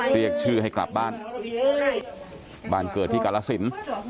เรียกชื่อให้กลับบ้านบ้านเกิดที่กาลสิน